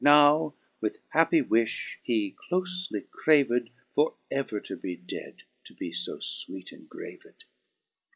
now with happy wifh he clofly craved For ever to be dead, to be fb fweet ingraved.